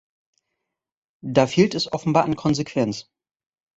Da fehlt es offenbar an Konsequenz.